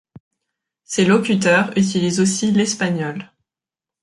Ses locuteurs utilisent aussi l'espagnol.